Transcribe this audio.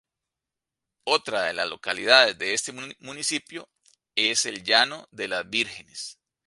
Otra de las localidades de este municipio es el Llano de las Vírgenes.